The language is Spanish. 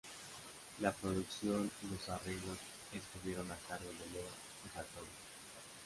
La producción y los arreglos estuvieron a cargo de Leo Sujatovich.